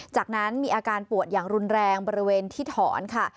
จากนั้นมีอาการปวดอย่างรุนแรงบริเวณที่ถอนค่ะ